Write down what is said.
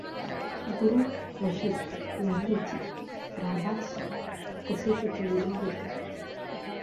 गुरू वसिष्ठ यांनीच रामास तसे सुचविले होते.